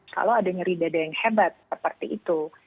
kalau ada nyeri dada yang hebat seperti itu